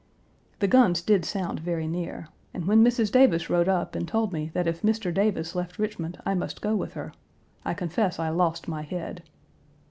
The guns did sound very near, and when Mrs. Davis rode up and told me that if Mr. Davis left Richmond I must go with her, I confess I lost my head.